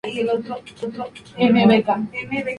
Es la única ciudad británica en un parque nacional.